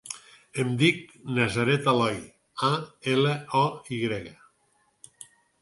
Em dic Nazaret Aloy: a, ela, o, i grega.